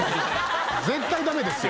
絶対ダメですって。